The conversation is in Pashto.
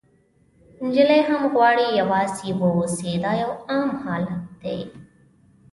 نجلۍ هم غواړي یوازې واوسي، دا یو عام حالت دی.